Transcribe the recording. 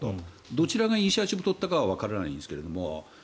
どちらがイニシアチブを取ったかはわからないんですが。